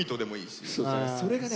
それがね